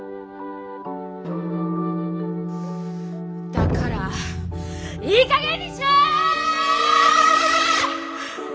だからいいかげんにしろ！